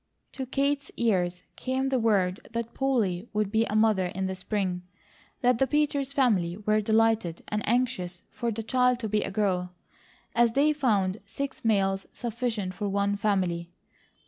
To Kate's ears came the word that Polly would be a mother in the spring, that the Peters family were delighted and anxious for the child to be a girl, as they found six males sufficient for one family.